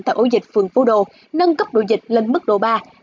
tại ổ dịch phường phu đô nâng cấp độ dịch lên mức độ ba